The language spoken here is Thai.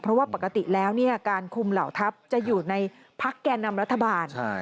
เพราะว่าปกติแล้วการคุมเหล่าทัพจะอยู่ในพักแก่นำรัฐบาล